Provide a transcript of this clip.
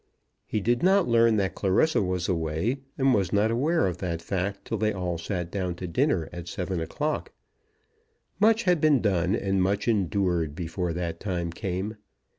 He did not learn that Clarissa was away, and was not aware of that fact till they all sat down to dinner at seven o'clock. Much had been done and much endured before that time came.